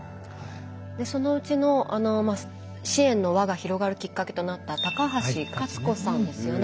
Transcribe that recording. そのうちの支援の輪が広がるきっかけとなった高橋勝子さんですよね。